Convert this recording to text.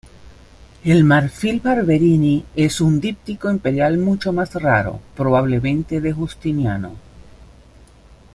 El Marfil Barberini es un díptico imperial mucho más raro, probablemente de Justiniano.